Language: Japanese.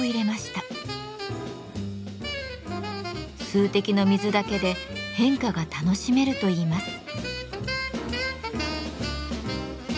数滴の水だけで変化が楽しめるといいます。